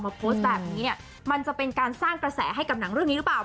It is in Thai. โพสต์แบบนี้เนี่ยมันจะเป็นการสร้างกระแสให้กับหนังเรื่องนี้หรือเปล่า